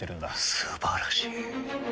素晴らしい。